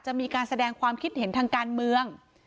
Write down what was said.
จะมีการแสดงความคิดเห็นทางการเมือง